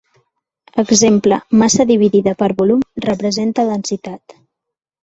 Exemple: massa dividida per volum representa densitat.